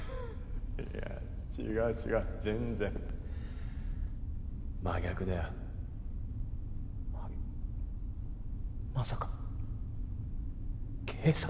いや違う違う全然真逆だよまさか警察？